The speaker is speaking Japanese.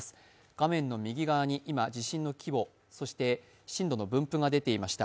画面の右側に今、地震の規模そして震度の分布が出ていました。